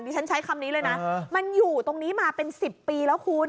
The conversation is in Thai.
ฉันใช้คำนี้เลยนะมันอยู่ตรงนี้มาเป็น๑๐ปีแล้วคุณ